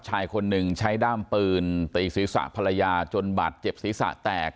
ชายคนหนึ่งใช้ด้ามปืนตีศีรษะภรรยาจนบาดเจ็บศีรษะแตก